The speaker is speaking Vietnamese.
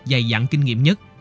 dài dặn kinh nghiệm nhất